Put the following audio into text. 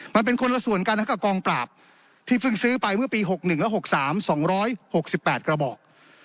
มันเป็นคนละส่วนกันให้กับกองปราบที่เพิ่งซื้อไปเมื่อปี๖๑และ๖๓๒๖๘กระบอก